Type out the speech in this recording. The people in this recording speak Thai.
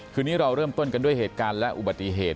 คืนนี้เราเริ่มต้นกันด้วยเหตุการณ์และอุบัติเหตุ